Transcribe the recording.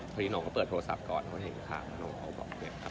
พอดีน้องก็เปิดโทรศัพท์ก่อนเพราะว่าเห็นค่ะแล้วน้องเขาก็บอกเนี้ยอัพเบียบ